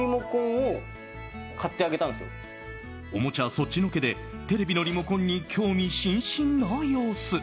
おもちゃそっちのけでテレビのリモコンに興味津々な様子。